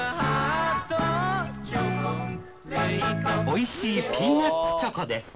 おいしいピーナッツチョコです